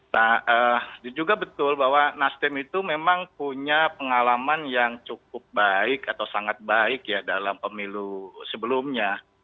nah juga betul bahwa nasdem itu memang punya pengalaman yang cukup baik atau sangat baik ya dalam pemilu sebelumnya